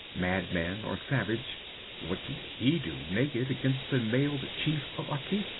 Madman or savage, what could he do, naked, against the mailed chief of Akif?